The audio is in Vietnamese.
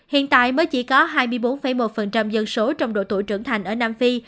hiện tại mới chỉ có hai mươi bốn một dân số trong độ tuổi trưởng thành ở nam phi